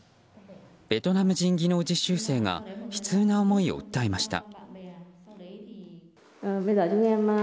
ベトナム人技能実習生が悲痛な思いを訴えました。